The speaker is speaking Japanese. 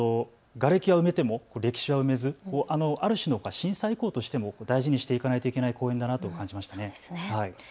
がれきは埋めても歴史は埋めずある種の震災遺構としても大事にしていかないといけない公園だなと感じました。